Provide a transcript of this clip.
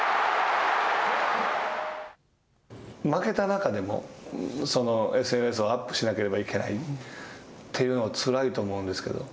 負けた中でもＳＮＳをアップしなければいけないというのつらいと思うんですけど。